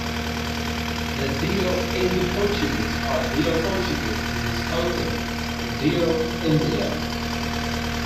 The Diu Indo-Portuguese or Diu Portuguese is spoken in Diu, India.